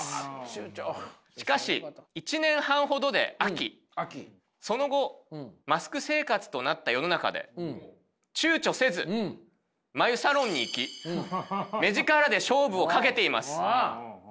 しかし１年半ほどで飽きその後マスク生活となった世の中で躊躇せず眉サロンに行き目力で勝負をかけています。